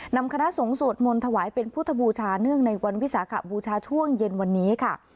นำคณะสงฆ์สวดมนต์ถวายเป็นพุทธบูชาเนื่องในวันวิสาขบูชาช่วงเย็นวันนี้ค่ะ